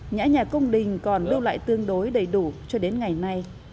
nhã nhà công đình còn lưu lại tương đối đầy đủ cho đến ngày nay